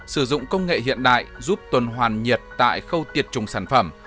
sử dụng công nghệ hiện đại giúp tuần hoàn nhiệt tại khâu tiệt trùng sản phẩm